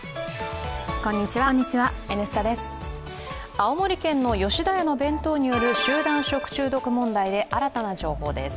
青森県の吉田屋の弁当による集団食中毒問題で新たな問題です。